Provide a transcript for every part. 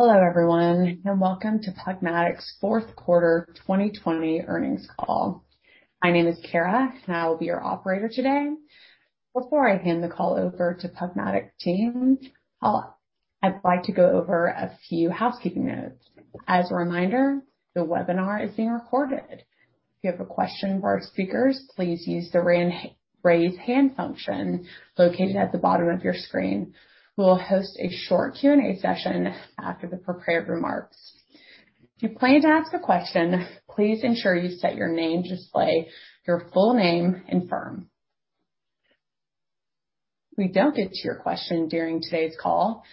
Hello, everyone, welcome to PubMatic's fourth quarter 2020 earnings call. My name is Kara, and I will be your operator today. Before I hand the call over to PubMatic team, I'd like to go over a few housekeeping notes. As a reminder, the webinar is being recorded. If you have a question for our speakers, please use the raise hand function located at the bottom of your screen. We'll host a short Q&A session after the prepared remarks. If you plan to ask a question, please ensure you set your name display, your full name, and firm. If we don't get to your question during today's call,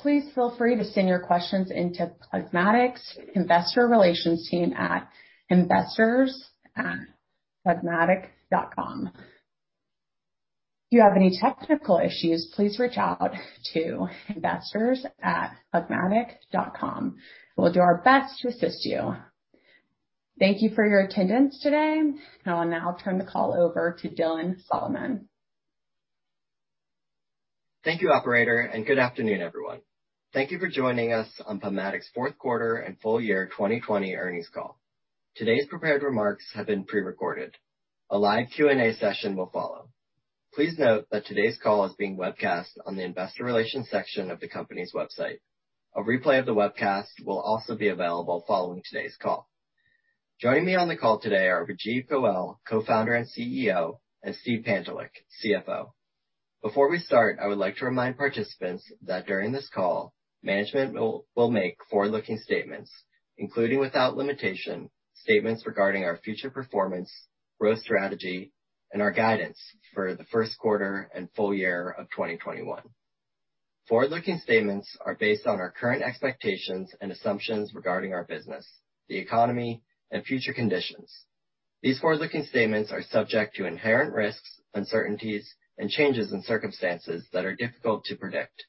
please feel free to send your questions in to PubMatic's investor relations team at investors@pubmatic.com. If you have any technical issues, please reach out to investors@pubmatic.com. We'll do our best to assist you. Thank you for your attendance today, and I'll now turn the call over to Dylan Solomon. Thank you, Operator, good afternoon, everyone. Thank you for joining us on PubMatic's fourth quarter and full year 2020 earnings call. Today's prepared remarks have been pre-recorded. A live Q&A session will follow. Please note that today's call is being webcast on the investor relations section of the company's website. A replay of the webcast will also be available following today's call. Joining me on the call today are Rajeev Goel, Co-founder and Chief Executive Officer, and Steve Pantelick, Chief Financial Officer. Before we start, I would like to remind participants that during this call, management will make forward-looking statements, including without limitation, statements regarding our future performance, growth strategy, and our guidance for the first quarter and full year of 2021. Forward-looking statements are based on our current expectations and assumptions regarding our business, the economy, and future conditions. These forward-looking statements are subject to inherent risks, uncertainties, and changes in circumstances that are difficult to predict.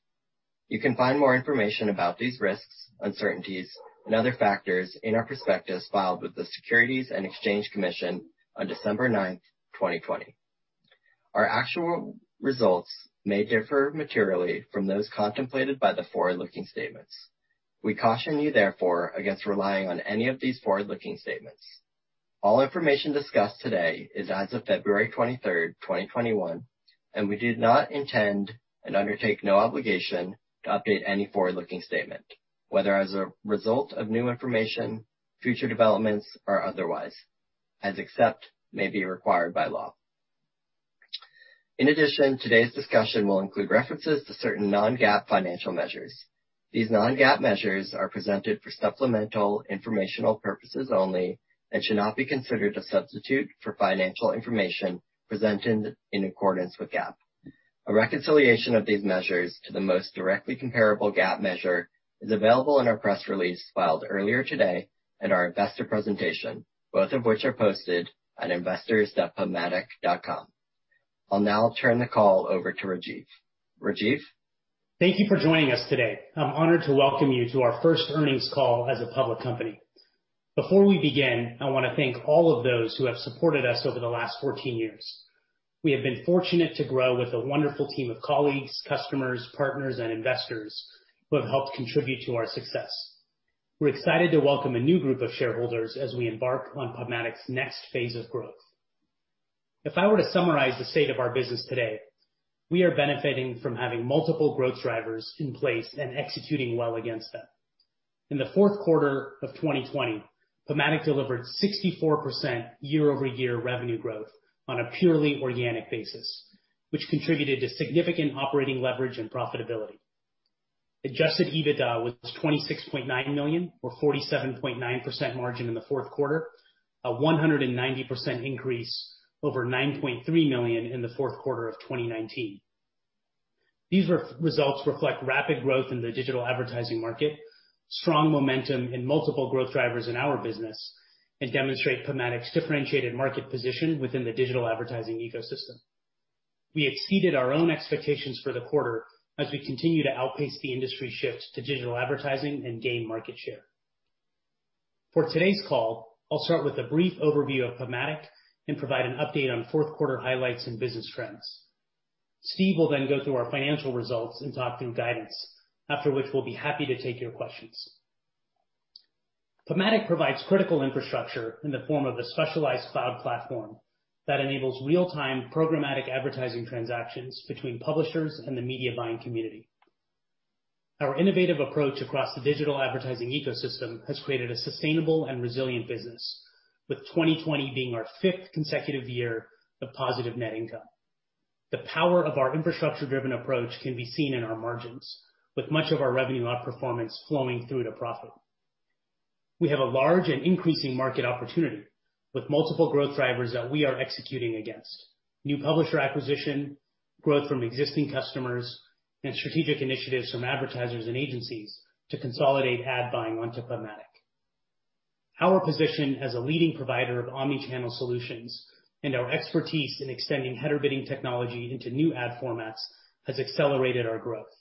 You can find more information about these risks, uncertainties, and other factors in our prospectus filed with the Securities and Exchange Commission on December 9th, 2020. Our actual results may differ materially from those contemplated by the forward-looking statements. We caution you, therefore, against relying on any of these forward-looking statements. All information discussed today is as of February 23rd, 2021, and we do not intend and undertake no obligation to update any forward-looking statement, whether as a result of new information, future developments, or otherwise, as except may be required by law. In addition, today's discussion will include references to certain non-GAAP financial measures. These non-GAAP measures are presented for supplemental informational purposes only and should not be considered a substitute for financial information presented in accordance with GAAP. A reconciliation of these measures to the most directly comparable GAAP measure is available in our press release filed earlier today and our investor presentation, both of which are posted on investors.pubmatic.com. I'll now turn the call over to Rajeev. Rajeev. Thank you for joining us today. I'm honored to welcome you to our first earnings call as a public company. Before we begin, I want to thank all of those who have supported us over the last 14 years. We have been fortunate to grow with a wonderful team of colleagues, customers, partners, and investors who have helped contribute to our success. We're excited to welcome a new group of shareholders as we embark on PubMatic's next phase of growth. If I were to summarize the state of our business today, we are benefiting from having multiple growth drivers in place and executing well against them. In the fourth quarter of 2020, PubMatic delivered 64% YoY revenue growth on a purely organic basis, which contributed to significant operating leverage and profitability. Adjusted EBITDA was $26.9 million or 47.9% margin in the fourth quarter, a 190% increase over $9.3 million in the fourth quarter of 2019. These results reflect rapid growth in the digital advertising market, strong momentum in multiple growth drivers in our business, and demonstrate PubMatic's differentiated market position within the digital advertising ecosystem. We exceeded our own expectations for the quarter as we continue to outpace the industry shift to digital advertising and gain market share. For today's call, I'll start with a brief overview of PubMatic and provide an update on fourth quarter highlights and business trends. Steve will then go through our financial results and talk through guidance, after which we'll be happy to take your questions. PubMatic provides critical infrastructure in the form of a specialized cloud platform that enables real-time programmatic advertising transactions between publishers and the media buying community. Our innovative approach across the digital advertising ecosystem has created a sustainable and resilient business, with 2020 being our fifth consecutive year of positive net income. The power of our infrastructure-driven approach can be seen in our margins, with much of our revenue outperformance flowing through to profit. We have a large and increasing market opportunity with multiple growth drivers that we are executing against. New publisher acquisition, growth from existing customers, and strategic initiatives from advertisers and agencies to consolidate ad buying onto PubMatic. Our position as a leading provider of omni-channel solutions and our expertise in extending header bidding technology into new ad formats has accelerated our growth.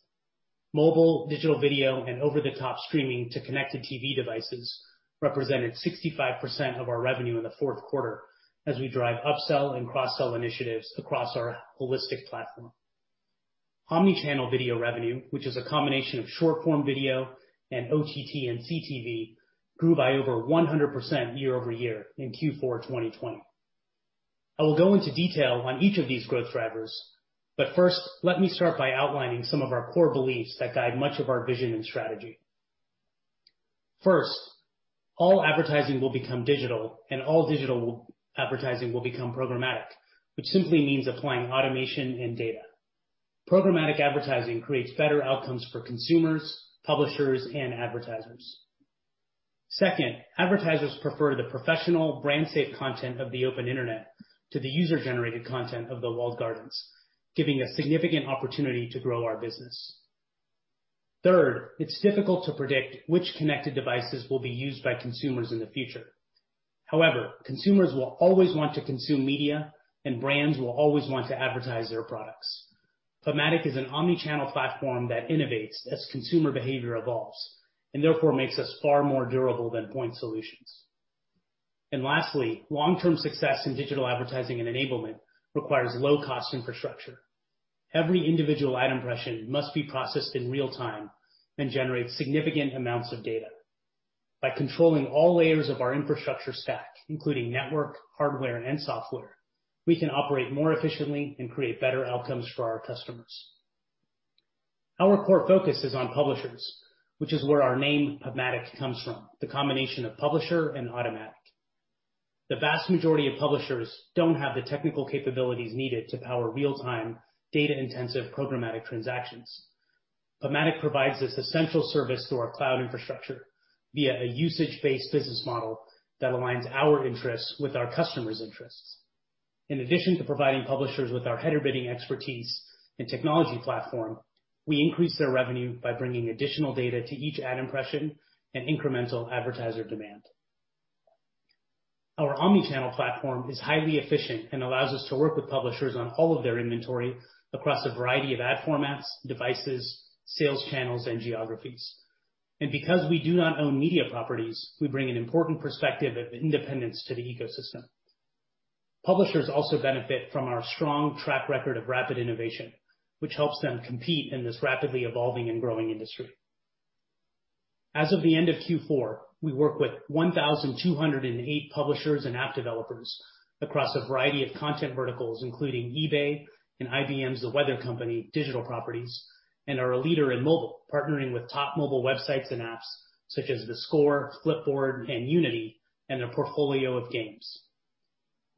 Mobile, digital video, and over-the-top streaming to connected TV devices represented 65% of our revenue in the fourth quarter as we drive upsell and cross-sell initiatives across our holistic platform. Omnichannel video revenue, which is a combination of short-form video and OTT and CTV, grew by over 100% YoY in Q4 2020. I will go into detail on each of these growth drivers, but first, let me start by outlining some of our core beliefs that guide much of our vision and strategy. First, all advertising will become digital, and all digital advertising will become programmatic, which simply means applying automation and data. Programmatic advertising creates better outcomes for consumers, publishers, and advertisers. Second, advertisers prefer the professional brand-safe content of the open internet to the user-generated content of the walled gardens, giving a significant opportunity to grow our business. Third, it's difficult to predict which connected devices will be used by consumers in the future. Consumers will always want to consume media, and brands will always want to advertise their products. PubMatic is an omni-channel platform that innovates as consumer behavior evolves, and therefore makes us far more durable than point solutions. Lastly, long-term success in digital advertising and enablement requires low-cost infrastructure. Every individual ad impression must be processed in real time and generate significant amounts of data. By controlling all layers of our infrastructure stack, including network, hardware, and software, we can operate more efficiently and create better outcomes for our customers. Our core focus is on publishers, which is where our name PubMatic comes from, the combination of publisher and automatic. The vast majority of publishers don't have the technical capabilities needed to power real-time, data-intensive programmatic transactions. PubMatic provides this essential service through our cloud infrastructure via a usage-based business model that aligns our interests with our customers' interests. In addition to providing publishers with our header bidding expertise and technology platform, we increase their revenue by bringing additional data to each ad impression and incremental advertiser demand. Our omni-channel platform is highly efficient and allows us to work with publishers on all of their inventory across a variety of ad formats, devices, sales channels, and geographies. Because we do not own media properties, we bring an important perspective of independence to the ecosystem. Publishers also benefit from our strong track record of rapid innovation, which helps them compete in this rapidly evolving and growing industry. As of the end of Q4, we work with 1,208 publishers and app developers across a variety of content verticals, including eBay and IBM's The Weather Company digital properties, and are a leader in mobile, partnering with top mobile websites and apps such as theScore, Flipboard, and Unity, and their portfolio of games.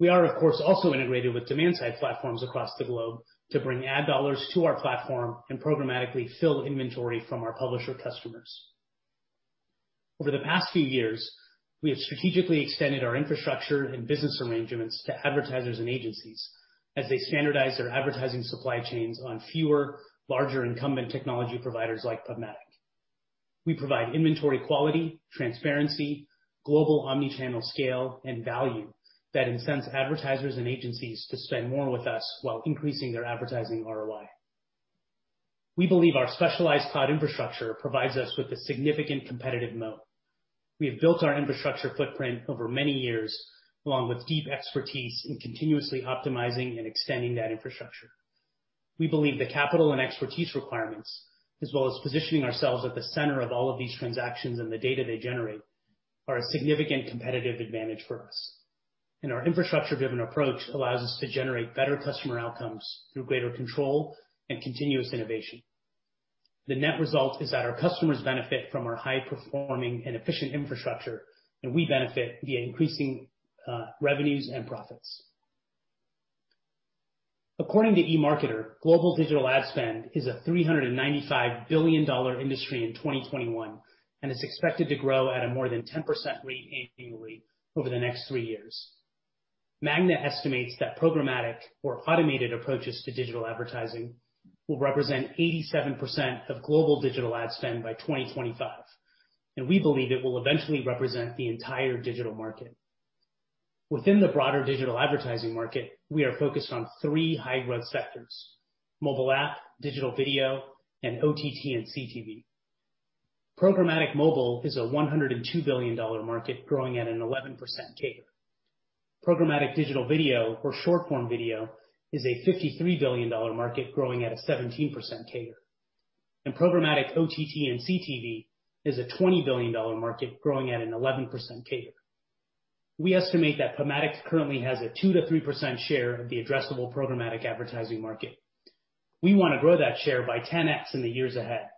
We are, of course, also integrated with demand-side platforms across the globe to bring ad dollars to our platform and programmatically fill inventory from our publisher customers. Over the past few years, we have strategically extended our infrastructure and business arrangements to advertisers and agencies as they standardize their advertising supply chains on fewer, larger incumbent technology providers like PubMatic. We provide inventory quality, transparency, global omni-channel scale, and value that incent advertisers and agencies to spend more with us while increasing their advertising ROI. We believe our specialized cloud infrastructure provides us with a significant competitive moat. We have built our infrastructure footprint over many years, along with deep expertise in continuously optimizing and extending that infrastructure. We believe the capital and expertise requirements, as well as positioning ourselves at the center of all of these transactions and the data they generate, are a significant competitive advantage for us. Our infrastructure-driven approach allows us to generate better customer outcomes through greater control and continuous innovation. The net result is that our customers benefit from our high-performing and efficient infrastructure, and we benefit via increasing revenues and profits. According to eMarketer, global digital ad spend is a $395 billion industry in 2021 and is expected to grow at a more than 10% rate annually over the next three years. Magna estimates that programmatic or automated approaches to digital advertising will represent 87% of global digital ad spend by 2025, and we believe it will eventually represent the entire digital market. Within the broader digital advertising market, we are focused on three high-growth sectors: mobile app, digital video, and OTT and CTV. Programmatic mobile is a $102 billion market growing at an 11% CAGR. Programmatic digital video or short-form video is a $53 billion market growing at a 17% CAGR. Programmatic OTT and CTV is a $20 billion market growing at an 11% CAGR. We estimate that PubMatic currently has a 2%-3% share of the addressable programmatic advertising market. We want to grow that share by 10x in the years ahead,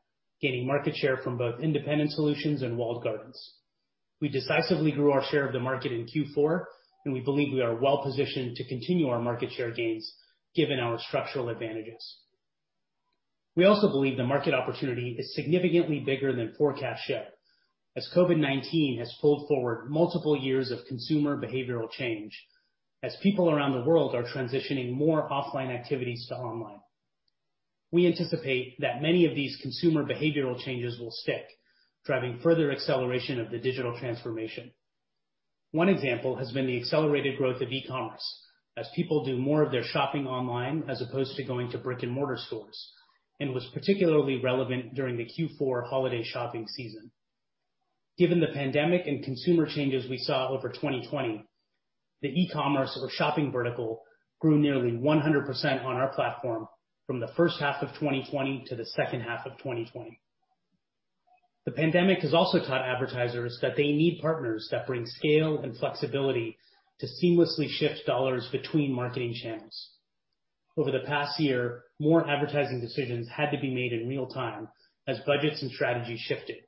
gaining market share from both independent solutions and walled gardens. We decisively grew our share of the market in Q4, and we believe we are well-positioned to continue our market share gains given our structural advantages. We also believe the market opportunity is significantly bigger than forecast share, as COVID-19 has pulled forward multiple years of consumer behavioral change, as people around the world are transitioning more offline activities to online. We anticipate that many of these consumer behavioral changes will stick, driving further acceleration of the digital transformation. One example has been the accelerated growth of e-commerce, as people do more of their shopping online as opposed to going to brick-and-mortar stores, and was particularly relevant during the Q4 holiday shopping season. Given the pandemic and consumer changes we saw over 2020, the e-commerce or shopping vertical grew nearly 100% on our platform from the first half of 2020 to the second half of 2020. The pandemic has also taught advertisers that they need partners that bring scale and flexibility to seamlessly shift dollars between marketing channels. Over the past year, more advertising decisions had to be made in real time as budgets and strategies shifted.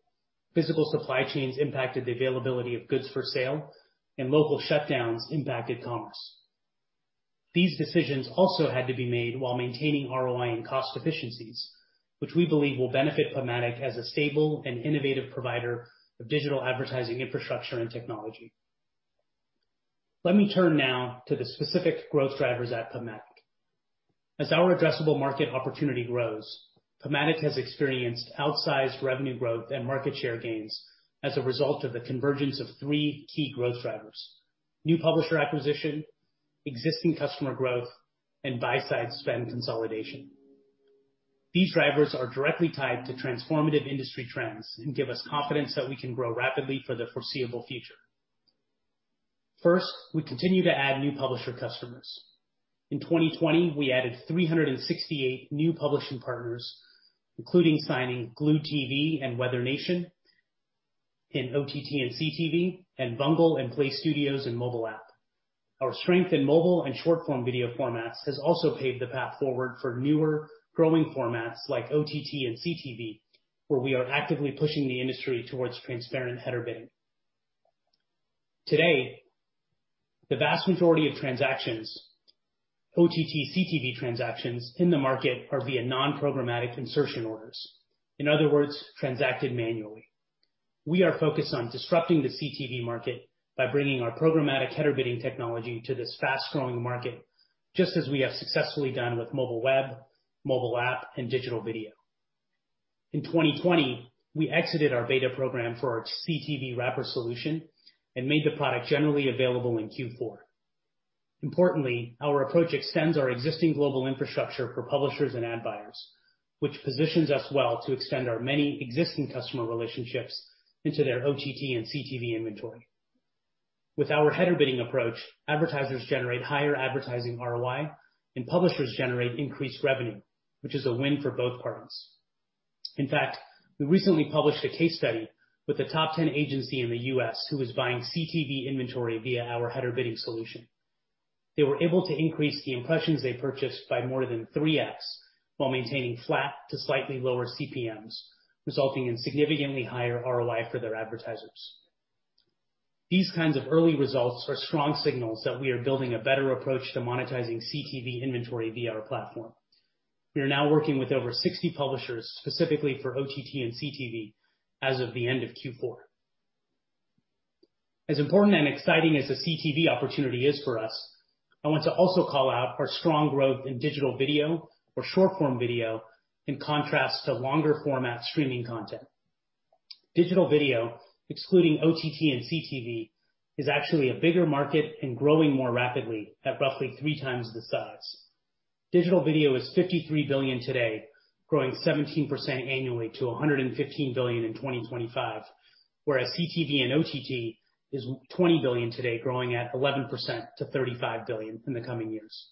Physical supply chains impacted the availability of goods for sale, and local shutdowns impacted commerce. These decisions also had to be made while maintaining ROI and cost efficiencies, which we believe will benefit PubMatic as a stable and innovative provider of digital advertising infrastructure and technology. Let me turn now to the specific growth drivers at PubMatic. As our addressable market opportunity grows, PubMatic has experienced outsized revenue growth and market share gains as a result of the convergence of three key growth drivers: new publisher acquisition, existing customer growth, and buy side spend consolidation. These drivers are directly tied to transformative industry trends and give us confidence that we can grow rapidly for the foreseeable future. First, we continue to add new publisher customers. In 2020, we added 368 new publishing partners, including signing Glewed TV and WeatherNation in OTT and CTV, and Vungle and PlayStudios in mobile app. Our strength in mobile and short-form video formats has also paved the path forward for newer growing formats like OTT and CTV, where we are actively pushing the industry towards transparent header bidding. Today, the vast majority of transactions, OTT/CTV transactions in the market are via non-programmatic insertion orders. In other words, transacted manually. We are focused on disrupting the CTV market by bringing our programmatic header bidding technology to this fast-growing market, just as we have successfully done with mobile web, mobile app, and digital video. In 2020, we exited our beta program for our CTV wrapper solution and made the product generally available in Q4. Importantly, our approach extends our existing global infrastructure for publishers and ad buyers, which positions us well to extend our many existing customer relationships into their OTT and CTV inventory. With our header bidding approach, advertisers generate higher advertising ROI and publishers generate increased revenue, which is a win for both parties. In fact, we recently published a case study with a top 10 agency in the U.S. who was buying CTV inventory via our header bidding solution. They were able to increase the impressions they purchased by more than 3X while maintaining flat to slightly lower CPMs, resulting in significantly higher ROI for their advertisers. These kinds of early results are strong signals that we are building a better approach to monetizing CTV inventory via our platform. We are now working with over 60 publishers, specifically for OTT and CTV as of the end of Q4. As important and exciting as the CTV opportunity is for us, I want to also call out our strong growth in digital video or short-form video, in contrast to longer format streaming content. Digital video, excluding OTT and CTV, is actually a bigger market and growing more rapidly at roughly three times the size. Digital video is $53 billion today, growing 17% annually to $115 billion in 2025. Whereas CTV and OTT is $20 billion today, growing at 11% to $35 billion in the coming years.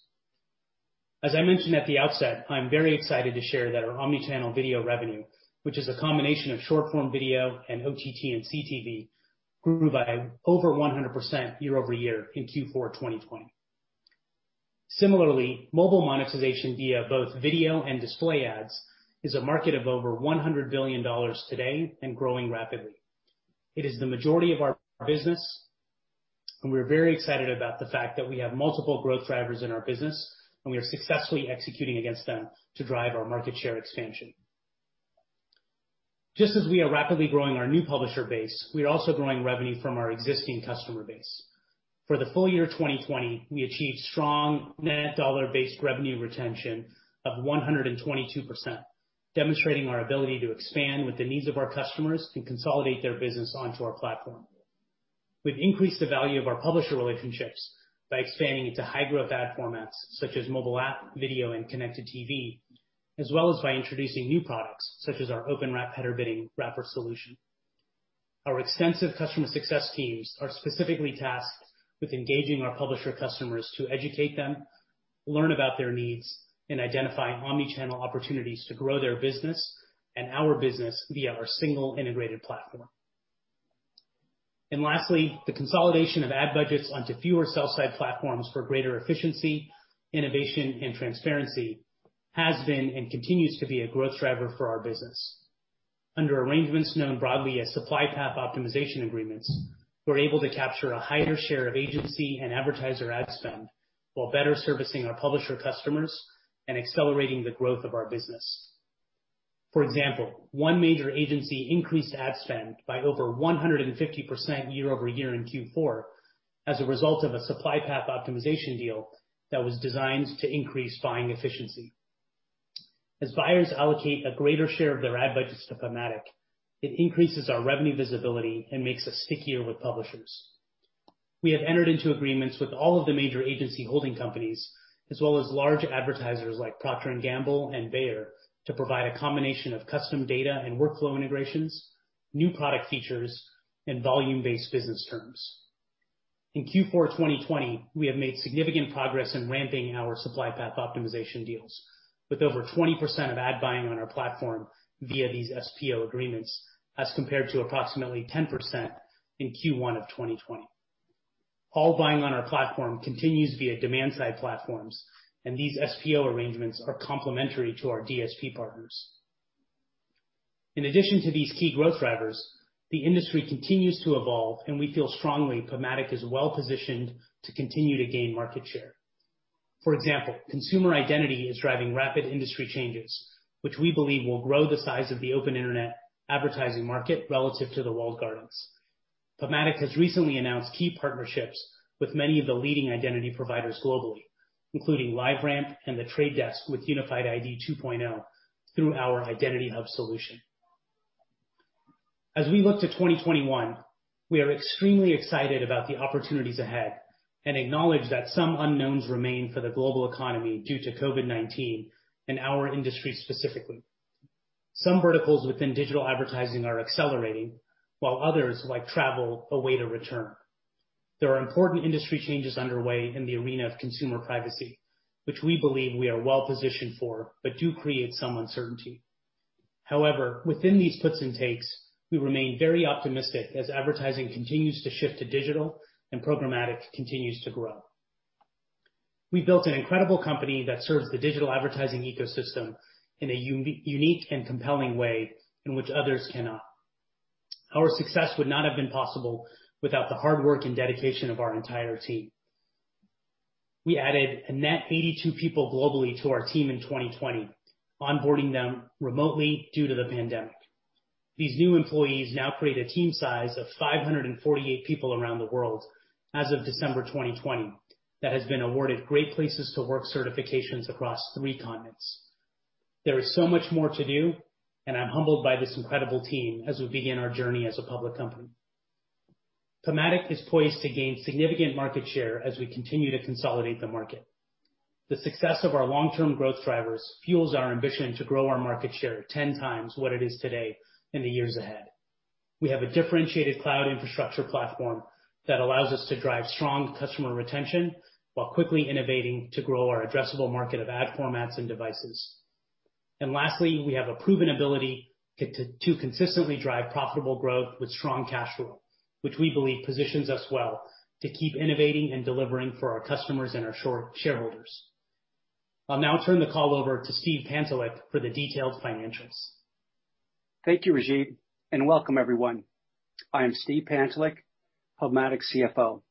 As I mentioned at the outset, I am very excited to share that our omni-channel video revenue, which is a combination of short-form video and OTT and CTV, grew by over 100% YoY in Q4 2020. Similarly, mobile monetization via both video and display ads is a market of over $100 billion today and growing rapidly. It is the majority of our business, and we are very excited about the fact that we have multiple growth drivers in our business, and we are successfully executing against them to drive our market share expansion. Just as we are rapidly growing our new publisher base, we are also growing revenue from our existing customer base. For the full year 2020, we achieved strong net dollar-based revenue retention of 122%, demonstrating our ability to expand with the needs of our customers and consolidate their business onto our platform. We've increased the value of our publisher relationships by expanding into high-growth ad formats such as mobile app, video, and Connected TV, as well as by introducing new products such as our OpenWrap header bidding wrapper solution. Our extensive customer success teams are specifically tasked with engaging our publisher customers to educate them, learn about their needs, and identify omni-channel opportunities to grow their business and our business via our single integrated platform. Lastly, the consolidation of ad budgets onto fewer sell-side platforms for greater efficiency, innovation, and transparency has been and continues to be a growth driver for our business. Under arrangements known broadly as supply path optimization agreements, we're able to capture a higher share of agency and advertiser ad spend while better servicing our publisher customers and accelerating the growth of our business. For example, one major agency increased ad spend by over 150% YoY in Q4 as a result of a supply path optimization deal that was designed to increase buying efficiency. As buyers allocate a greater share of their ad budgets to PubMatic, it increases our revenue visibility and makes us stickier with publishers. We have entered into agreements with all of the major agency holding companies, as well as large advertisers like Procter & Gamble and Bayer, to provide a combination of custom data and workflow integrations, new product features, and volume-based business terms. In Q4 2020, we have made significant progress in ramping our supply path optimization deals with over 20% of ad buying on our platform via these SPO agreements as compared to approximately 10% in Q1 of 2020. All buying on our platform continues via demand-side platforms, and these SPO arrangements are complementary to our DSP partners. In addition to these key growth drivers, the industry continues to evolve, and we feel strongly PubMatic is well-positioned to continue to gain market share. For example, consumer identity is driving rapid industry changes, which we believe will grow the size of the open internet advertising market relative to the walled gardens. PubMatic has recently announced key partnerships with many of the leading identity providers globally, including LiveRamp and The Trade Desk with Unified ID 2.0 through our Identity Hub solution. As we look to 2021, we are extremely excited about the opportunities ahead and acknowledge that some unknowns remain for the global economy due to COVID-19 and our industry specifically. Some verticals within digital advertising are accelerating, while others, like travel, await a return. There are important industry changes underway in the arena of consumer privacy, which we believe we are well-positioned for, but do create some uncertainty. Within these puts and takes, we remain very optimistic as advertising continues to shift to digital and programmatic continues to grow. We built an incredible company that serves the digital advertising ecosystem in a unique and compelling way in which others cannot. Our success would not have been possible without the hard work and dedication of our entire team. We added a net 82 people globally to our team in 2020, onboarding them remotely due to the pandemic. These new employees now create a team size of 548 people around the world as of December 2020 that has been awarded Great Place to Work certifications across three continents. There is so much more to do, and I'm humbled by this incredible team as we begin our journey as a public company. PubMatic is poised to gain significant market share as we continue to consolidate the market. The success of our long-term growth drivers fuels our ambition to grow our market share 10 times what it is today in the years ahead. We have a differentiated cloud infrastructure platform that allows us to drive strong customer retention while quickly innovating to grow our addressable market of ad formats and devices. Lastly, we have a proven ability to consistently drive profitable growth with strong cash flow, which we believe positions us well to keep innovating and delivering for our customers and our shareholders. I'll now turn the call over to Steve Pantelick for the detailed financials. Thank you, Rajeev, and welcome everyone. I am Steve Pantelick, PubMatic's Chief Financial Officer.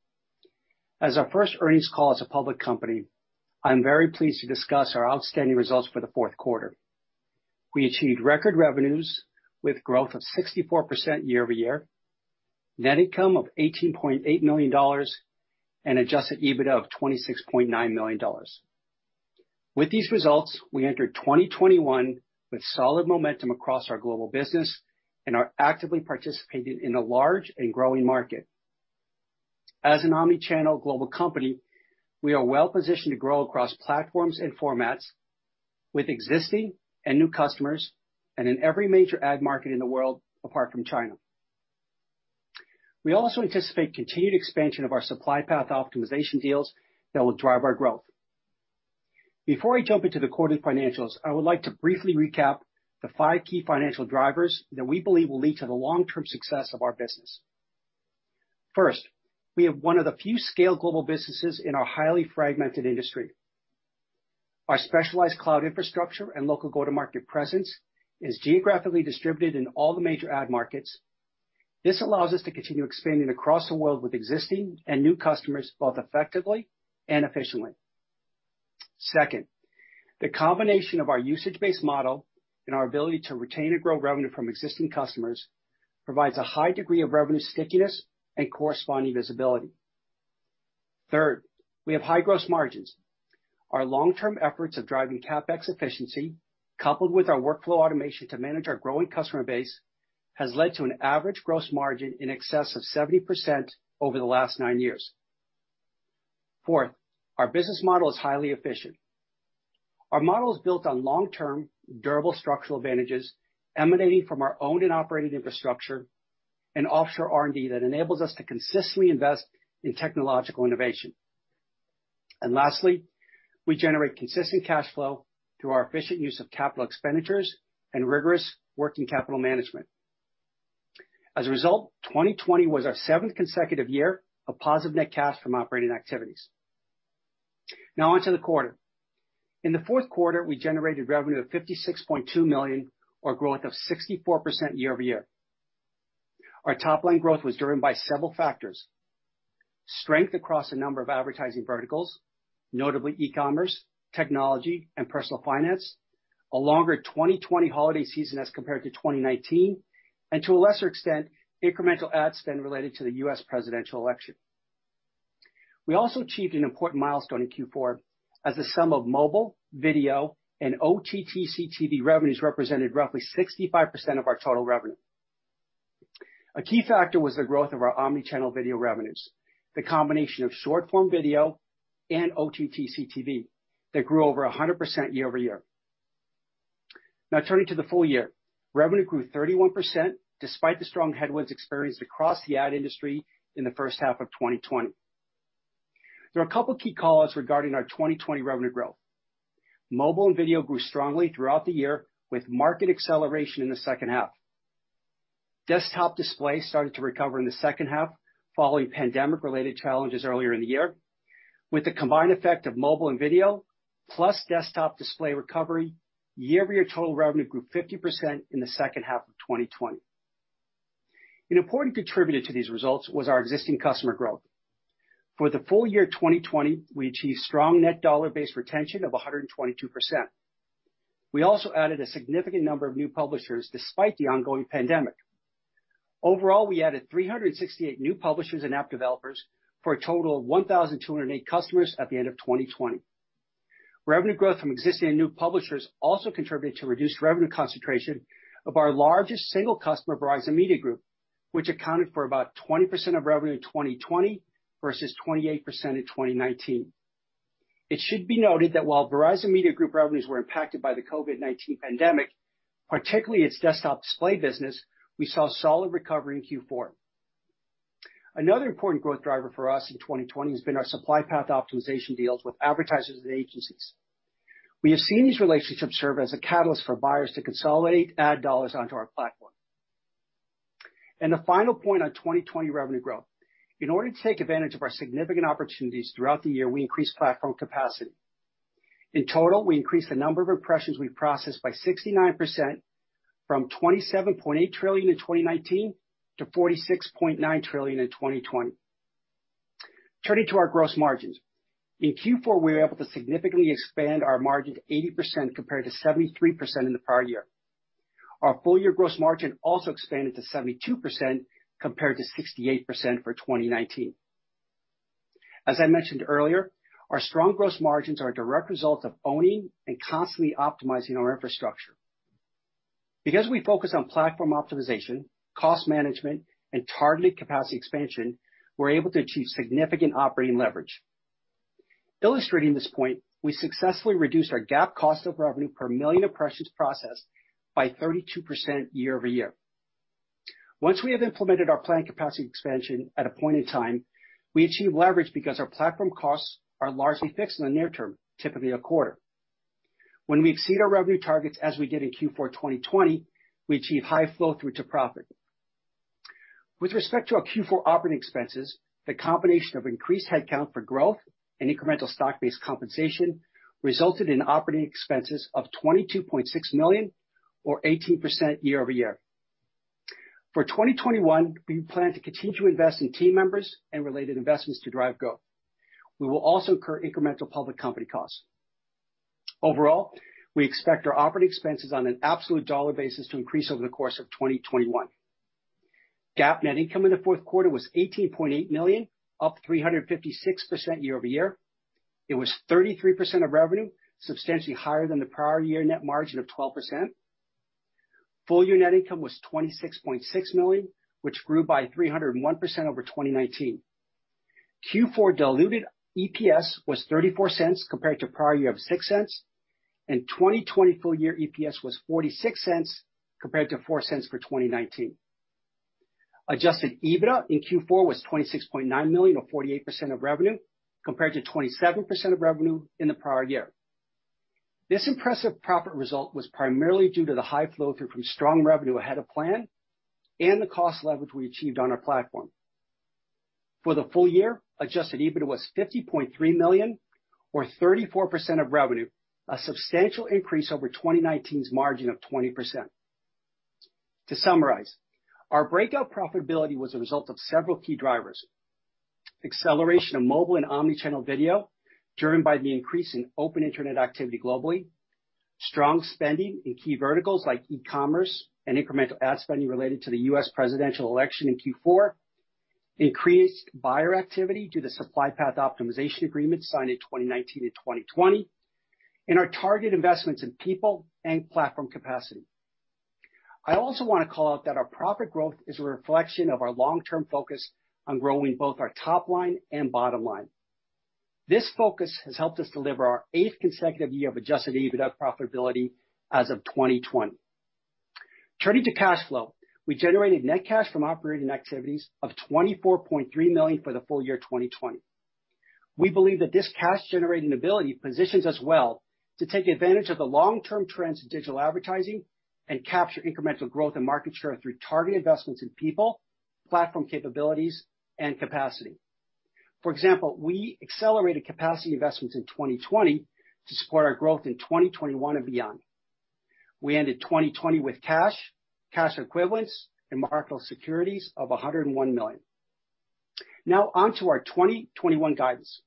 As our first earnings call as a public company, I am very pleased to discuss our outstanding results for the fourth quarter. We achieved record revenues with growth of 64% YoY, net income of $18.8 million, and Adjusted EBITDA of $26.9 million. With these results, we enter 2021 with solid momentum across our global business and are actively participating in a large and growing market. As an omni-channel global company, we are well-positioned to grow across platforms and formats with existing and new customers and in every major ad market in the world apart from China. We also anticipate continued expansion of our supply path optimization deals that will drive our growth. Before I jump into the quarter financials, I would like to briefly recap the five key financial drivers that we believe will lead to the long-term success of our business. First, we have one of the few scaled global businesses in our highly fragmented industry. Our specialized cloud infrastructure and local go-to-market presence is geographically distributed in all the major ad markets. This allows us to continue expanding across the world with existing and new customers, both effectively and efficiently. Second, the combination of our usage-based model and our ability to retain and grow revenue from existing customers provides a high degree of revenue stickiness and corresponding visibility. Third, we have high gross margins. Our long-term efforts of driving CapEx efficiency, coupled with our workflow automation to manage our growing customer base, has led to an average gross margin in excess of 70% over the last nine years. Fourth, our business model is highly efficient. Our model is built on long-term, durable structural advantages emanating from our owned and operated infrastructure and offshore R&D that enables us to consistently invest in technological innovation. Lastly, we generate consistent cash flow through our efficient use of capital expenditures and rigorous working capital management. As a result, 2020 was our seventh consecutive year of positive net cash from operating activities. Now onto the quarter. In the fourth quarter, we generated revenue of $56.2 million, or growth of 64% YoY. Our top-line growth was driven by several factors. Strength across a number of advertising verticals, notably e-commerce, technology, and personal finance, a longer 2020 holiday season as compared to 2019, and to a lesser extent, incremental ad spend related to the U.S. presidential election. We also achieved an important milestone in Q4 as the sum of mobile, video, and OTT/CTV revenues represented roughly 65% of our total revenue. A key factor was the growth of our omni-channel video revenues, the combination of short-form video and OTT/CTV, that grew over 100% YoY. Now turning to the full year. Revenue grew 31%, despite the strong headwinds experienced across the ad industry in the first half of 2020. There are a couple of key call-outs regarding our 2020 revenue growth. Mobile and video grew strongly throughout the year, with market acceleration in the second half. Desktop display started to recover in the second half, following pandemic-related challenges earlier in the year. With the combined effect of mobile and video, plus desktop display recovery, YoY total revenue grew 50% in the second half of 2020. An important contributor to these results was our existing customer growth. For the full year 2020, we achieved strong net dollar-based retention of 122%. We also added a significant number of new publishers despite the ongoing pandemic. Overall, we added 368 new publishers and app developers, for a total of 1,208 customers at the end of 2020. Revenue growth from existing and new publishers also contributed to reduced revenue concentration of our largest single customer, Verizon Media Group, which accounted for about 20% of revenue in 2020 versus 28% in 2019. It should be noted that while Verizon Media Group revenues were impacted by the COVID-19 pandemic, particularly its desktop display business, we saw solid recovery in Q4. Another important growth driver for us in 2020 has been our supply path optimization deals with advertisers and agencies. We have seen these relationships serve as a catalyst for buyers to consolidate ad dollars onto our platform. The final point on 2020 revenue growth. In order to take advantage of our significant opportunities throughout the year, we increased platform capacity. In total, we increased the number of impressions we processed by 69%, from 27.8 trillion in 2019 to 46.9 trillion in 2020. Turning to our gross margins. In Q4, we were able to significantly expand our margin to 80%, compared to 73% in the prior year. Our full-year gross margin also expanded to 72%, compared to 68% for 2019. As I mentioned earlier, our strong gross margins are a direct result of owning and constantly optimizing our infrastructure. Because we focus on platform optimization, cost management, and targeted capacity expansion, we're able to achieve significant operating leverage. Illustrating this point, we successfully reduced our GAAP cost of revenue per million impressions processed by 32% YoY. Once we have implemented our planned capacity expansion at a point in time, we achieve leverage because our platform costs are largely fixed in the near term, typically a quarter. When we exceed our revenue targets, as we did in Q4 2020, we achieve high flow-through to profit. With respect to our Q4 operating expenses, the combination of increased headcount for growth and incremental stock-based compensation resulted in operating expenses of $22.6 million, or 18% YoY. For 2021, we plan to continue to invest in team members and related investments to drive growth. We will also incur incremental public company costs. Overall, we expect our operating expenses on an absolute dollar basis to increase over the course of 2021. GAAP net income in the fourth quarter was $18.8 million, up 356% YoY. It was 33% of revenue, substantially higher than the prior year net margin of 12%. Full year net income was $26.6 million, which grew by 301% over 2019. Q4 diluted EPS was $0.34 compared to prior year of $0.06, and 2020 full year EPS was $0.46 compared to $0.04 for 2019. Adjusted EBITDA in Q4 was $26.9 million, or 48% of revenue, compared to 27% of revenue in the prior year. This impressive profit result was primarily due to the high flow-through from strong revenue ahead of plan and the cost leverage we achieved on our platform. For the full year, Adjusted EBITDA was $50.3 million, or 34% of revenue, a substantial increase over 2019's margin of 20%. To summarize, our breakout profitability was a result of several key drivers. Acceleration of mobile and omni-channel video, driven by the increase in open internet activity globally. Strong spending in key verticals like e-commerce and incremental ad spending related to the U.S. presidential election in Q4. Increased buyer activity due to supply path optimization agreements signed in 2019 and 2020. Our targeted investments in people and platform capacity. I also want to call out that our profit growth is a reflection of our long-term focus on growing both our top line and bottom line. This focus has helped us deliver our eighth consecutive year of Adjusted EBITDA profitability as of 2020. Turning to cash flow. We generated net cash from operating activities of $24.3 million for the full year 2020. We believe that this cash-generating ability positions us well to take advantage of the long-term trends in digital advertising and capture incremental growth and market share through targeted investments in people, platform capabilities, and capacity. For example, we accelerated capacity investments in 2020 to support our growth in 2021 and beyond. We ended 2020 with cash equivalents, and marketable securities of $101 million. Now on to our 2021 guidance.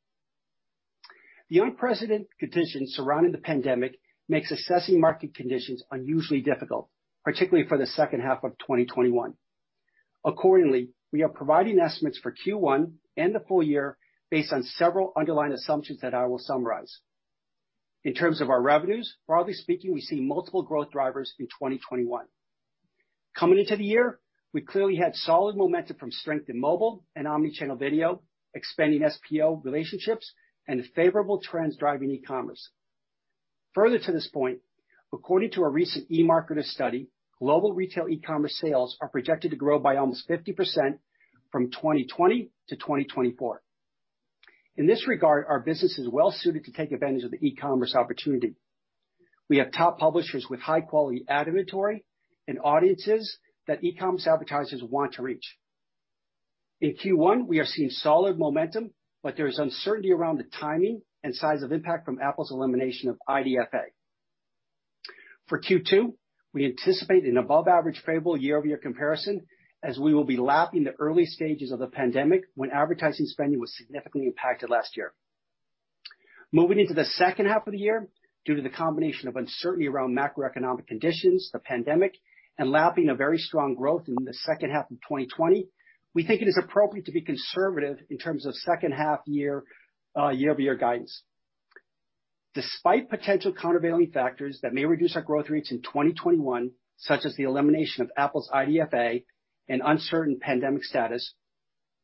The unprecedented conditions surrounding the pandemic makes assessing market conditions unusually difficult, particularly for the second half of 2021. Accordingly, we are providing estimates for Q1 and the full year based on several underlying assumptions that I will summarize. In terms of our revenues, broadly speaking, we see multiple growth drivers in 2021. Coming into the year, we clearly had solid momentum from strength in mobile and omni-channel video, expanding SPO relationships, and favorable trends driving e-commerce. Further to this point, according to a recent eMarketer study, global retail e-commerce sales are projected to grow by almost 50% from 2020-2024. In this regard, our business is well-suited to take advantage of the e-commerce opportunity. We have top publishers with high-quality ad inventory and audiences that e-commerce advertisers want to reach. In Q1, we are seeing solid momentum, but there is uncertainty around the timing and size of impact from Apple's elimination of IDFA. For Q2, we anticipate an above-average favorable YoY comparison, as we will be lapping the early stages of the pandemic when advertising spending was significantly impacted last year. Moving into the second half of the year, due to the combination of uncertainty around macroeconomic conditions, the pandemic, and lapping a very strong growth in the second half of 2020, we think it is appropriate to be conservative in terms of second half YoY guidance. Despite potential countervailing factors that may reduce our growth rates in 2021, such as the elimination of Apple's IDFA and uncertain pandemic status,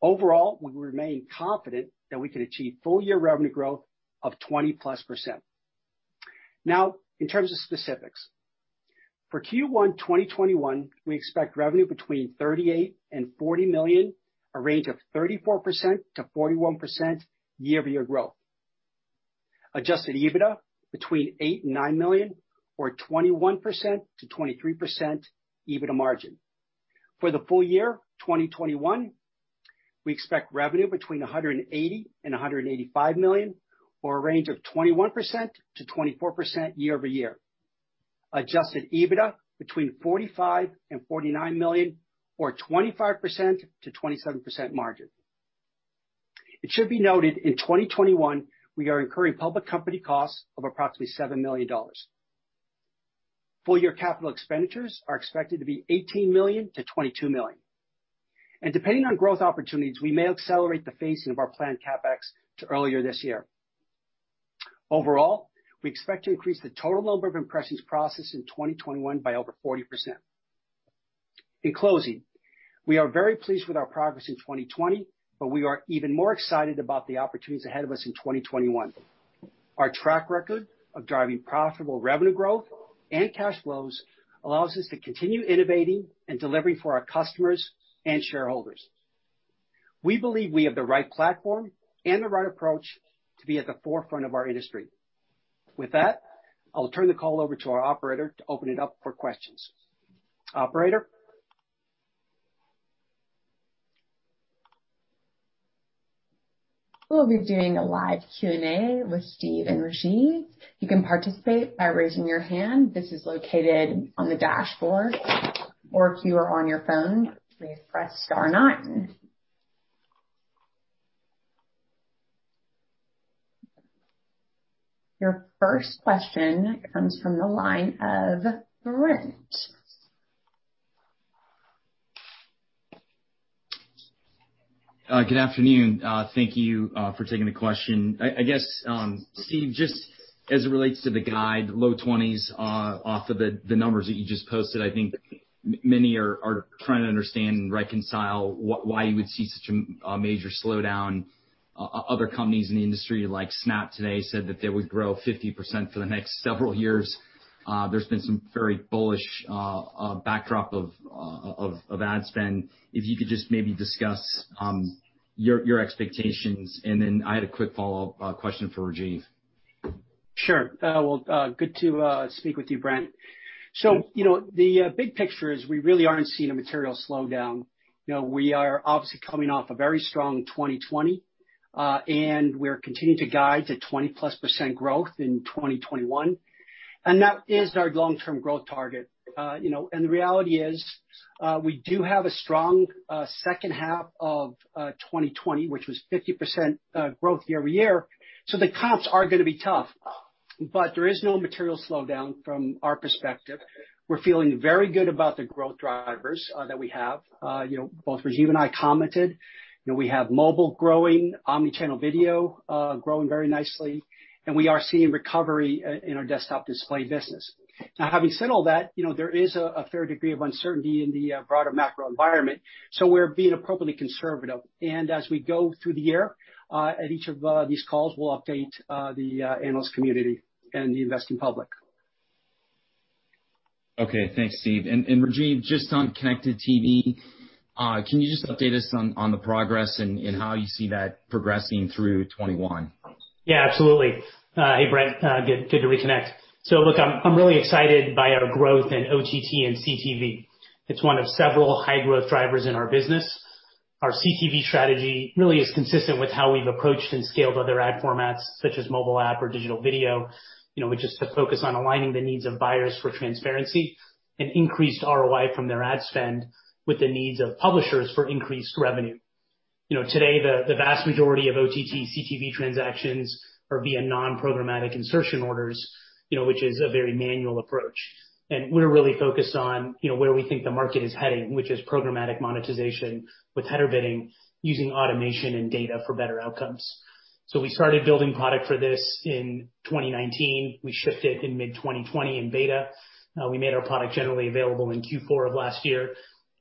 overall, we remain confident that we can achieve full-year revenue growth of 20%+. In terms of specifics. For Q1 2021, we expect revenue between $38 million and $40 million, a range of 34%-41% YoY growth. Adjusted EBITDA between $8 million and $9 million, or 21%-23% EBITDA margin. For the full year 2021, we expect revenue between $180 million and $185 million, or a range of 21%-24% YoY. Adjusted EBITDA between $45 million and $49 million, or 25%-27% margin. It should be noted, in 2021, we are incurring public company costs of approximately $7 million. Full-year capital expenditures are expected to be $18 million-$22 million, and depending on growth opportunities, we may accelerate the phasing of our planned CapEx to earlier this year. Overall, we expect to increase the total number of impressions processed in 2021 by over 40%. In closing, we are very pleased with our progress in 2020, but we are even more excited about the opportunities ahead of us in 2021. Our track record of driving profitable revenue growth and cash flows allows us to continue innovating and delivering for our customers and shareholders. We believe we have the right platform and the right approach to be at the forefront of our industry. With that, I will turn the call over to our Operator to open it up for questions. Operator? We'll be doing a live Q&A with Steve and Rajeev. You can participate by raising your hand. This is located on the dashboard. If you are on your phone, please press star nine. Your first question comes from the line of Brent. Good afternoon. Thank you for taking the question. I guess, Steve, just as it relates to the guide, low 20%s off of the numbers that you just posted, I think many are trying to understand and reconcile why you would see such a major slowdown. Other companies in the industry, like Snap today, said that they would grow 50% for the next several years. There's been some very bullish backdrop of ad spend. If you could just maybe discuss your expectations, and then I had a quick follow-up question for Rajeev. Sure. Well, good to speak with you, Brent. The big picture is we really aren't seeing a material slowdown. We are obviously coming off a very strong 2020, and we're continuing to guide to 20%+ growth in 2021. That is our long-term growth target. The reality is, we do have a strong second half of 2020, which was 50% growth YoY, so the comps are gonna be tough, but there is no material slowdown from our perspective. We're feeling very good about the growth drivers that we have. Both Rajeev and I commented. We have mobile growing, omni-channel video growing very nicely, and we are seeing recovery in our desktop display business. Having said all that, there is a fair degree of uncertainty in the broader macro environment, so we're being appropriately conservative. As we go through the year, at each of these calls, we'll update the analyst community and the investing public. Okay. Thanks, Steve. Rajeev, just on Connected TV, can you just update us on the progress and how you see that progressing through 2021? Absolutely. Hey, Brent. Good to reconnect. Look, I'm really excited by our growth in OTT and CTV. It's one of several high-growth drivers in our business. Our CTV strategy really is consistent with how we've approached and scaled other ad formats, such as mobile app or digital video, which is to focus on aligning the needs of buyers for transparency and increased ROI from their ad spend with the needs of publishers for increased revenue. Today, the vast majority of OTT/CTV transactions are via non-programmatic insertion orders, which is a very manual approach. We're really focused on where we think the market is heading, which is programmatic monetization with header bidding, using automation and data for better outcomes. We started building product for this in 2019. We shipped it in mid-2020 in beta. We made our product generally available in Q4 of last year.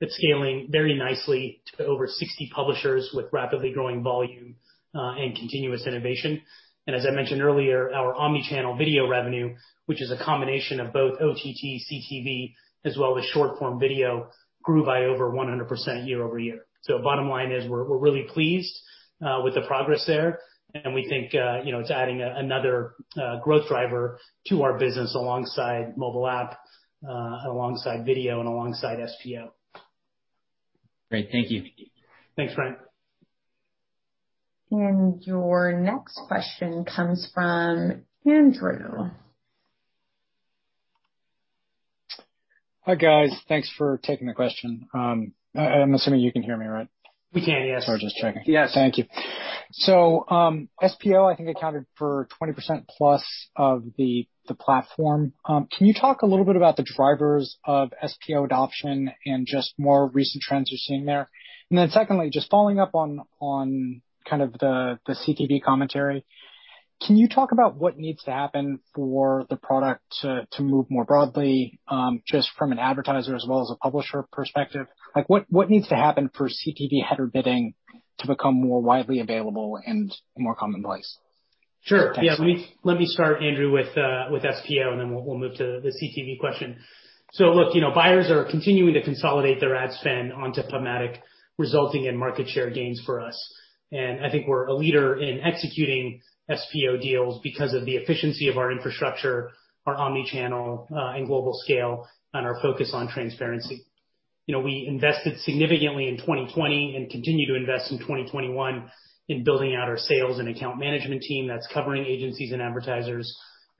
It's scaling very nicely to over 60 publishers with rapidly growing volume and continuous innovation. As I mentioned earlier, our omni-channel video revenue, which is a combination of both OTT/CTV as well as short-form video, grew by over 100% YoY. Bottom line is, we're really pleased with the progress there, and we think it's adding another growth driver to our business alongside mobile app, alongside video, and alongside SPO. Great. Thank you. Thanks, Brent. Your next question comes from Andrew. Hi, guys. Thanks for taking the question. I'm assuming you can hear me right? We can, yes. Sorry, just checking. Yes. SPO, I think, accounted for 20%+ of the platform. Can you talk a little bit about the drivers of SPO adoption and just more recent trends you're seeing there? Secondly, just following up on kind of the CTV commentary, can you talk about what needs to happen for the product to move more broadly, just from an advertiser as well as a publisher perspective? What needs to happen for CTV header bidding to become more widely available and more commonplace? Sure. Yeah. Let me start, Andrew, with SPO. Then we'll move to the CTV question. Look, buyers are continuing to consolidate their ad spend onto PubMatic, resulting in market share gains for us. I think we're a leader in executing SPO deals because of the efficiency of our infrastructure, our omni-channel and global scale, and our focus on transparency. We invested significantly in 2020 and continue to invest in 2021 in building out our sales and account management team that's covering agencies and advertisers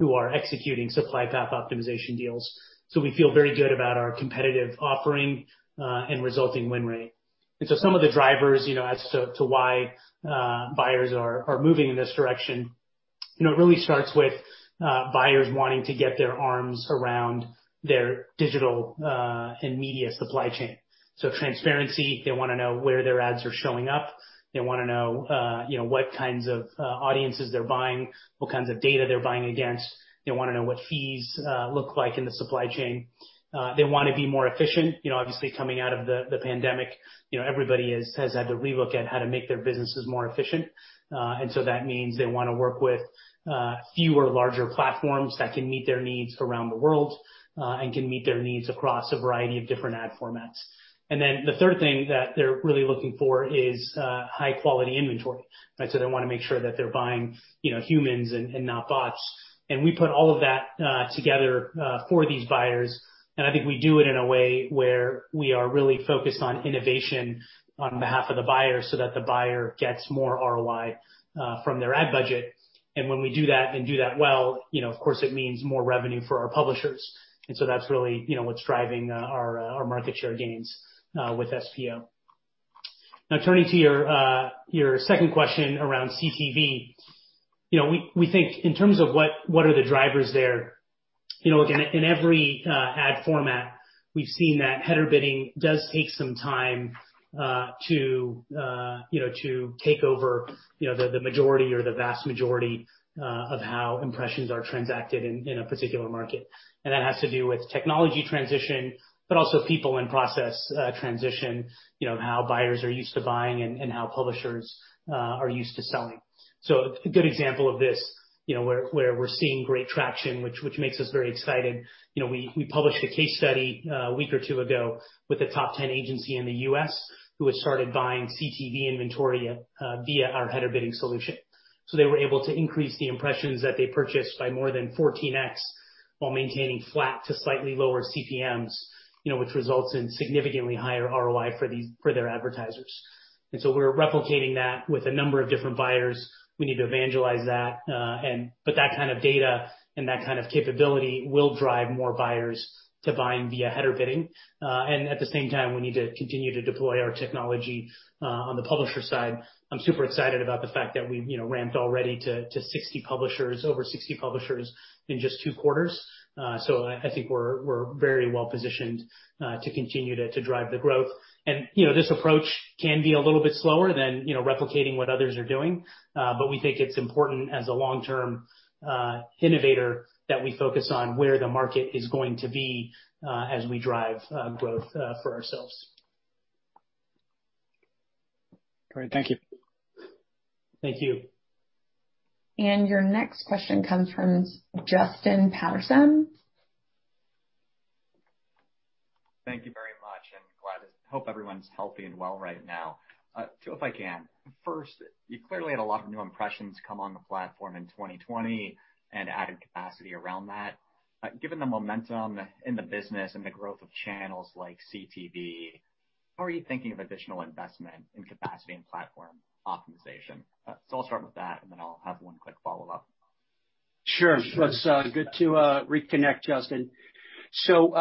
who are executing supply path optimization deals. We feel very good about our competitive offering and resulting win rate. Some of the drivers as to why buyers are moving in this direction, it really starts with buyers wanting to get their arms around their digital and media supply chain. Transparency, they wanna know where their ads are showing up. They wanna know what kinds of audiences they're buying, what kinds of data they're buying against. They wanna know what fees look like in the supply chain. They wanna be more efficient. Obviously, coming out of the pandemic, everybody has had to re-look at how to make their businesses more efficient. That means they wanna work with fewer larger platforms that can meet their needs around the world, and can meet their needs across a variety of different ad formats. The third thing that they're really looking for is high-quality inventory. They wanna make sure that they're buying humans and not bots. We put all of that together for these buyers, and I think we do it in a way where we are really focused on innovation on behalf of the buyer so that the buyer gets more ROI from their ad budget. When we do that and do that well, of course, it means more revenue for our publishers. That's really what's driving our market share gains with SPO. Now, turning to your second question around CTV. We think in terms of what are the drivers there. Again, in every ad format, we've seen that header bidding does take some time to take over the majority or the vast majority of how impressions are transacted in a particular market. That has to do with technology transition, but also people and process transition, how buyers are used to buying and how publishers are used to selling. A good example of this, where we're seeing great traction, which makes us very excited. We published a case study a week or two ago with a top 10 agency in the U.S. who had started buying CTV inventory via our header bidding solution. They were able to increase the impressions that they purchased by more than 14x while maintaining flat to slightly lower CPMs, which results in significantly higher ROI for their advertisers. We're replicating that with a number of different buyers. We need to evangelize that. That kind of data and that kind of capability will drive more buyers to buying via header bidding. At the same time, we need to continue to deploy our technology on the publisher side. I'm super excited about the fact that we've ramped already to over 60 publishers in just two quarters. I think we're very well-positioned to continue to drive the growth. This approach can be a little bit slower than replicating what others are doing. We think it's important as a long-term innovator that we focus on where the market is going to be as we drive growth for ourselves. Great. Thank you. Thank you. Your next question comes from Justin Patterson. Thank you very much, and hope everyone's healthy and well right now. Two if I can. First, you clearly had a lot of new impressions come on the platform in 2020 and added capacity around that. Given the momentum in the business and the growth of channels like CTV, how are you thinking of additional investment in capacity and platform optimization? I'll start with that, and then I'll have one quick follow-up. It's good to reconnect, Justin. From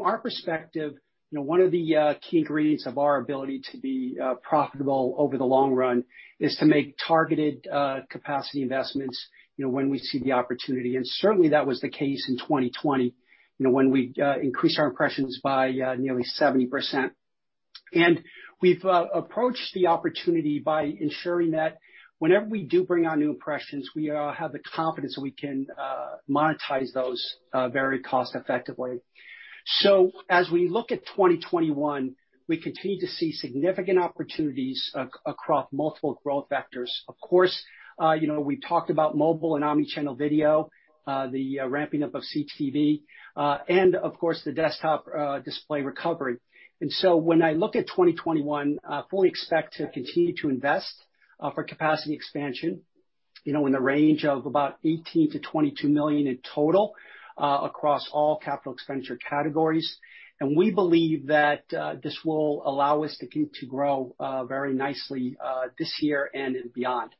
our perspective, one of the key ingredients of our ability to be profitable over the long run is to make targeted capacity investments when we see the opportunity. Certainly, that was the case in 2020, when we increased our impressions by nearly 70%. We've approached the opportunity by ensuring that whenever we do bring on new impressions, we have the confidence that we can monetize those very cost effectively. As we look at 2021, we continue to see significant opportunities across multiple growth vectors. Of course, we talked about mobile and omni-channel video, the ramping up of CTV, and of course, the desktop display recovery. When I look at 2021, I fully expect to continue to invest for capacity expansion in the range of about $18 million-$22 million in total across all capital expenditure categories. We believe that this will allow us to continue to grow very nicely this year and beyond.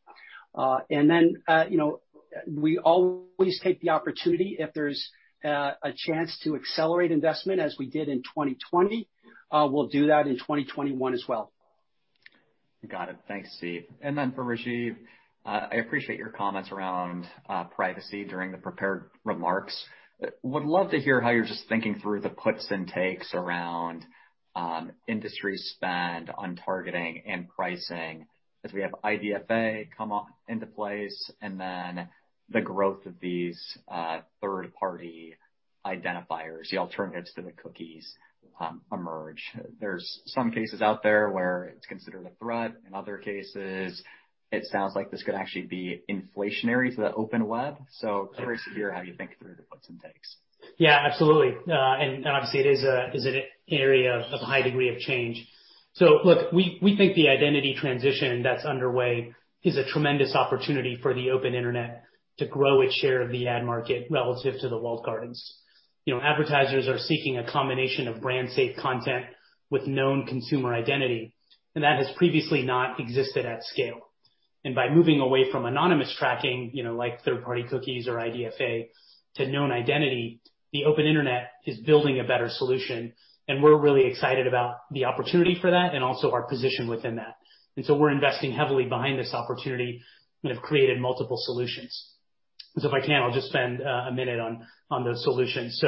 We always take the opportunity if there's a chance to accelerate investment as we did in 2020. We'll do that in 2021 as well. Got it. Thanks, Steve. Then for Rajeev, I appreciate your comments around privacy during the prepared remarks. Would love to hear how you're just thinking through the puts and takes around industry spend on targeting and pricing as we have IDFA come into place, and then the growth of these third-party identifiers, the alternatives to the cookies emerge. There's some cases out there where it's considered a threat. In other cases, it sounds like this could actually be inflationary to the open web. Curious to hear how you think through the puts and takes. Yeah, absolutely. Obviously, it is an area of a high degree of change. Look, we think the identity transition that's underway is a tremendous opportunity for the open internet to grow its share of the ad market relative to the walled gardens. Advertisers are seeking a combination of brand safe content with known consumer identity, and that has previously not existed at scale. By moving away from anonymous tracking, like third-party cookies or IDFA, to known identity, the open internet is building a better solution, and we're really excited about the opportunity for that and also our position within that. We're investing heavily behind this opportunity and have created multiple solutions. If I can, I'll just spend a minute on those solutions.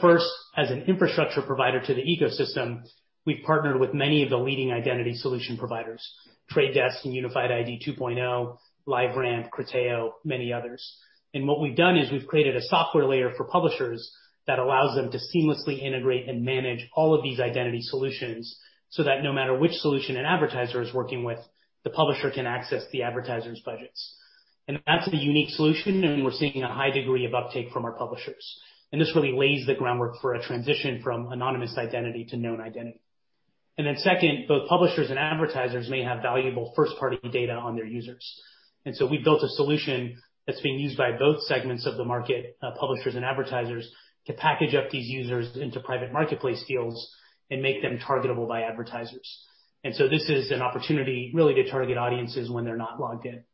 First, as an infrastructure provider to the ecosystem, we've partnered with many of the leading identity solution providers, The Trade Desk and Unified ID 2.0, LiveRamp, Criteo, many others. What we've done is we've created a software layer for publishers that allows them to seamlessly integrate and manage all of these identity solutions, so that no matter which solution an advertiser is working with, the publisher can access the advertiser's budgets. That's a unique solution, and we're seeing a high degree of uptake from our publishers. This really lays the groundwork for a transition from anonymous identity to known identity. Second, both publishers and advertisers may have valuable first-party data on their users. We built a solution that's being used by both segments of the market, publishers and advertisers, to package up these users into private marketplace deals and make them targetable by advertisers. This is an opportunity really to target audiences when they're not logged in.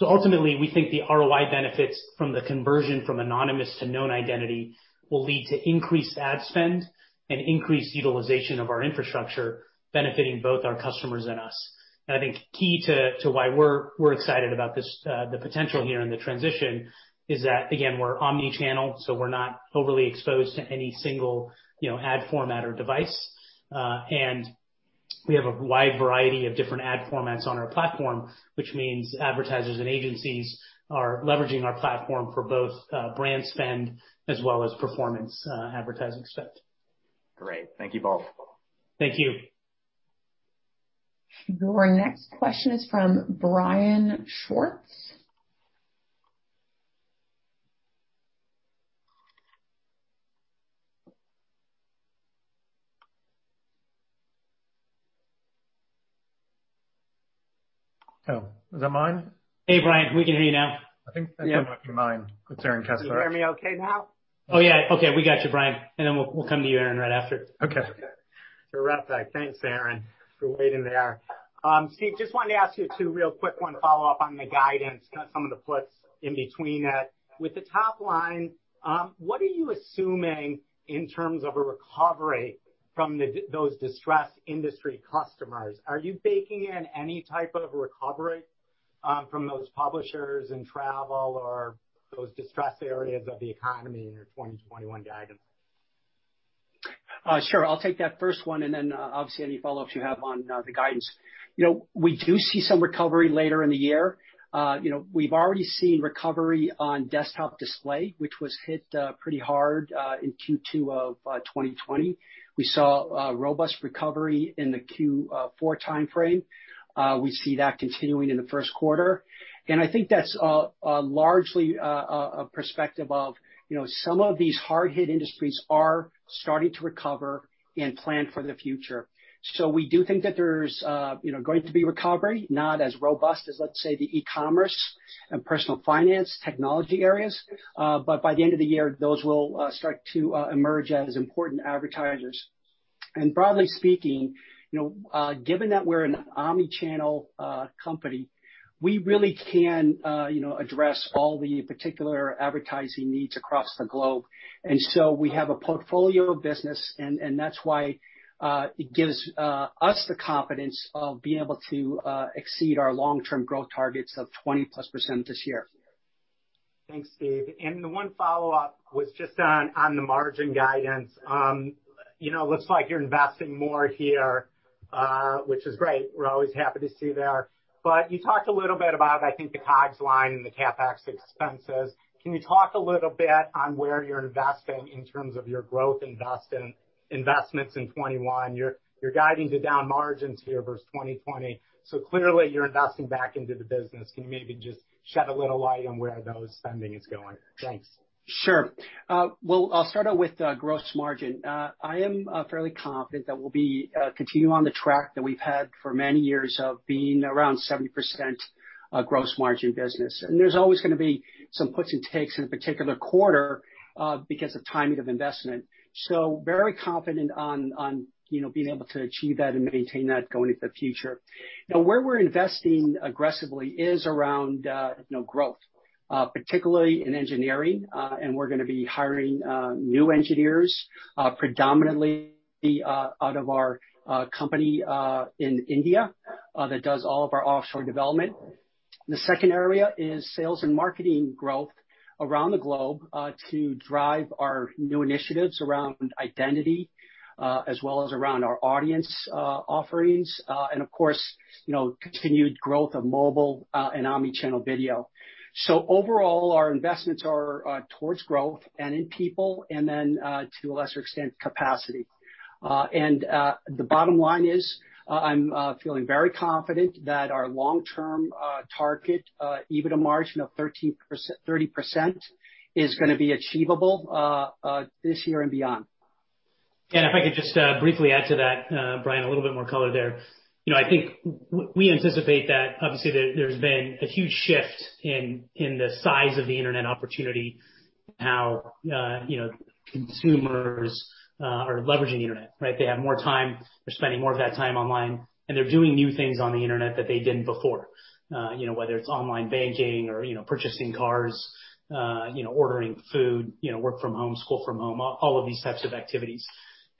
Ultimately, we think the ROI benefits from the conversion from anonymous to known identity will lead to increased ad spend and increased utilization of our infrastructure, benefiting both our customers and us. I think key to why we're excited about the potential here and the transition is that, again, we're omni-channel, so we're not overly exposed to any single ad format or device. We have a wide variety of different ad formats on our platform, which means advertisers and agencies are leveraging our platform for both brand spend as well as performance advertising spend. Great. Thank you both. Thank you. Your next question is from Brian Schwartz. Oh, was that mine? Hey, Brian, we can hear you now. I think that might be mine. It's Aaron Kessler. Can you hear me okay now? Oh, yeah. Okay. We got you, Brian, and then we'll come to you, Aaron, right after. Okay. Rapid fire. Thanks, Aaron, for waiting there. Steve, just wanted to ask you two real quick one follow-up on the guidance, kind of some of the puts in between that. With the top line, what are you assuming in terms of a recovery from those distressed industry customers? Are you baking in any type of recovery from those publishers in travel or those distressed areas of the economy in your 2021 guidance? Sure. I'll take that first one, and then obviously any follow-ups you have on the guidance. We do see some recovery later in the year. We've already seen recovery on desktop display, which was hit pretty hard in Q2 of 2020. We saw a robust recovery in the Q4 timeframe. We see that continuing in the first quarter. I think that's largely a perspective of some of these hard-hit industries are starting to recover and plan for the future. We do think that there's going to be recovery, not as robust as, let's say, the e-commerce and personal finance technology areas. By the end of the year, those will start to emerge as important advertisers. Broadly speaking, given that we're an omni-channel company, we really can address all the particular advertising needs across the globe. We have a portfolio of business, and that's why it gives us the confidence of being able to exceed our long-term growth targets of 20%+ this year. Thanks, Steve. The one follow-up was just on the margin guidance. Looks like you're investing more here, which is great. We're always happy to see that. You talked a little bit about, I think, the COGS line and the CapEx expenses. Can you talk a little bit on where you're investing in terms of your growth investments in 2021? You're guiding to down margins here versus 2020. Clearly you're investing back into the business. Can you maybe just shed a little light on where those spending is going? Thanks. Sure. Well, I'll start out with gross margin. I am fairly confident that we'll continue on the track that we've had for many years of being around 70% gross margin business. There's always going to be some puts and takes in a particular quarter because of timing of investment. Very confident on being able to achieve that and maintain that going into the future. Now, where we're investing aggressively is around growth, particularly in engineering. We're going to be hiring new engineers, predominantly out of our company in India, that does all of our offshore development. The second area is sales and marketing growth around the globe to drive our new initiatives around identity as well as around our audience offerings. Of course, continued growth of mobile and omni-channel video. Overall, our investments are towards growth and in people, and then, to a lesser extent, capacity. The bottom line is, I'm feeling very confident that our long-term target, EBITDA margin of 30%, is going to be achievable this year and beyond. If I could just briefly add to that, Brian, a little bit more color there. I think we anticipate that obviously there's been a huge shift in the size of the internet opportunity, how consumers are leveraging the internet, right? They have more time. They're spending more of that time online, and they're doing new things on the internet that they didn't before. Whether it's online banking or purchasing cars, ordering food, work from home, school from home, all of these types of activities.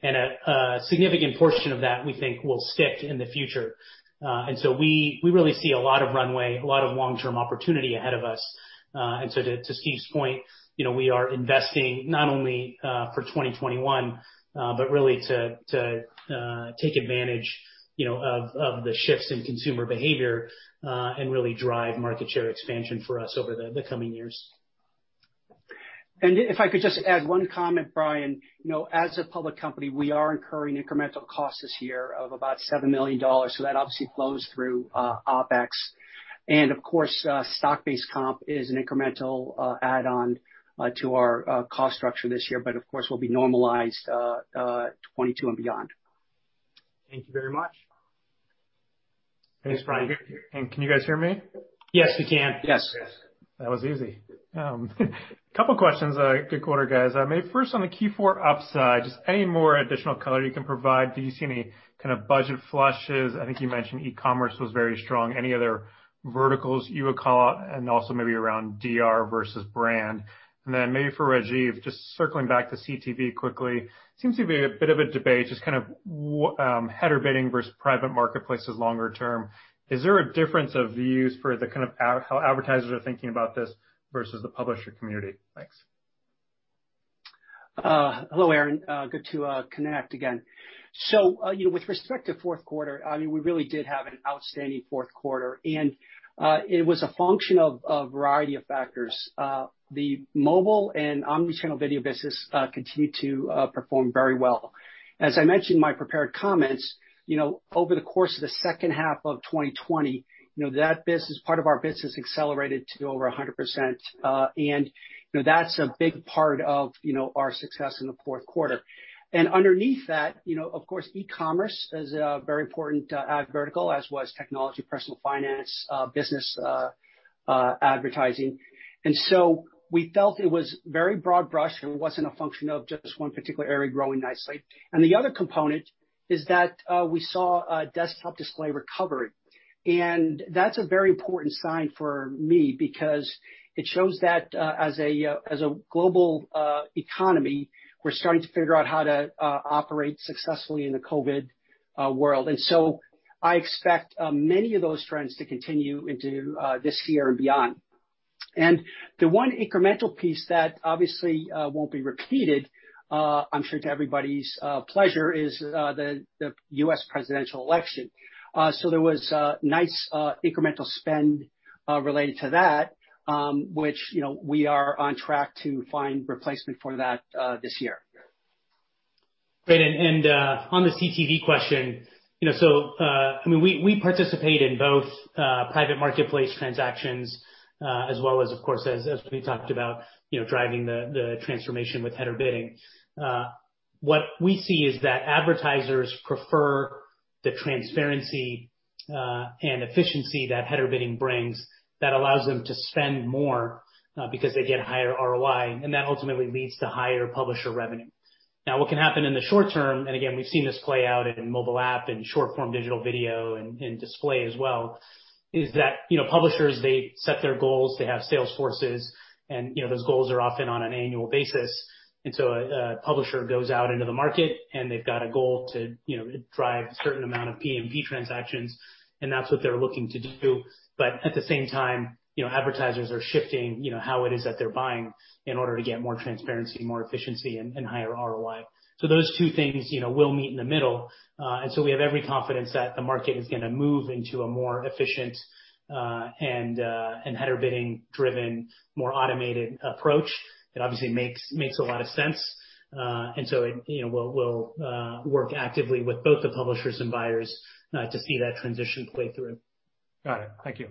A significant portion of that we think will stick in the future. We really see a lot of runway, a lot of long-term opportunity ahead of us. To Steve's point, we are investing not only for 2021, but really to take advantage of the shifts in consumer behavior, and really drive market share expansion for us over the coming years. If I could just add one comment, Brian. As a public company, we are incurring incremental costs this year of about $7 million. That obviously flows through OpEx. Of course, stock-based comp is an incremental add-on to our cost structure this year. Of course, will be normalized 2022 and beyond. Thank you very much. Thanks, Brian. Can you guys hear me? Yes, we can. Yes. That was easy. A couple questions. Good quarter, guys. First on the Q4 upside, just any more additional color you can provide? Do you see any kind of budget flushes? I think you mentioned e-commerce was very strong. Any other verticals you would call out, and also maybe around DR versus brand? For Rajeev, just circling back to CTV quickly. Seems to be a bit of a debate, just kind of header bidding versus private marketplaces longer term. Is there a difference of views for how advertisers are thinking about this versus the publisher community? Thanks. Hello, Aaron. Good to connect again. With respect to fourth quarter, we really did have an outstanding fourth quarter, and it was a function of a variety of factors. The mobile and omni-channel video business continued to perform very well. As I mentioned in my prepared comments, over the course of the second half of 2020, that part of our business accelerated to over 100%. That's a big part of our success in the fourth quarter. Underneath that, of course, e-commerce is a very important ad vertical, as was technology, personal finance, business advertising. We felt it was very broad brush. It wasn't a function of just one particular area growing nicely. The other component is that we saw desktop display recovery. That's a very important sign for me because it shows that as a global economy, we're starting to figure out how to operate successfully in a COVID world. I expect many of those trends to continue into this year and beyond. The one incremental piece that obviously won't be repeated, I'm sure to everybody's pleasure, is the U.S. presidential election. There was nice incremental spend related to that, which we are on track to find replacement for that this year. Great. On the CTV question, we participate in both private marketplace transactions as well as, of course, as we talked about, driving the transformation with header bidding. What we see is that advertisers prefer the transparency and efficiency that header bidding brings that allows them to spend more because they get higher ROI, and that ultimately leads to higher publisher revenue. Now, what can happen in the short term, and again, we've seen this play out in mobile app, in short-form digital video, and in display as well, is that publishers, they set their goals. They have sales forces, and those goals are often on an annual basis. A publisher goes out into the market, and they've got a goal to drive a certain amount of PMP transactions, and that's what they're looking to do. At the same time, advertisers are shifting how it is that they're buying in order to get more transparency, more efficiency, and higher ROI. Those two things will meet in the middle. We have every confidence that the market is going to move into a more efficient and header bidding driven, more automated approach. It obviously makes a lot of sense. We'll work actively with both the publishers and buyers to see that transition play through. Got it. Thank you.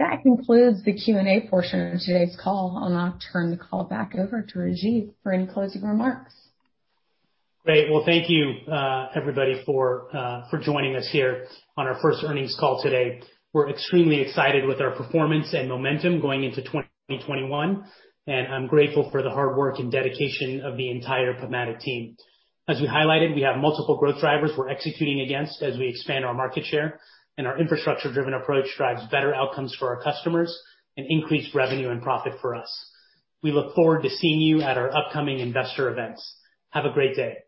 That concludes the Q&A portion of today's call. I'll now turn the call back over to Rajeev for any closing remarks. Great. Well, thank you, everybody, for joining us here on our first earnings call today. We're extremely excited with our performance and momentum going into 2021, and I'm grateful for the hard work and dedication of the entire PubMatic team. As we highlighted, we have multiple growth drivers we're executing against as we expand our market share, and our infrastructure-driven approach drives better outcomes for our customers and increased revenue and profit for us. We look forward to seeing you at our upcoming investor events. Have a great day.